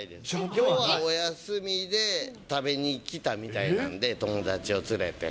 きょうはお休みで、食べに来たみたいな感じなので、友達を連れて。